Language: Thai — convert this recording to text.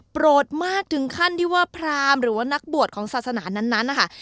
โกรธมากถึงขั้นที่ว่าพรามหรือว่านักบวชของศาสนานั้นนะคะ